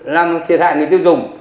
làm thiệt hại người tiêu dùng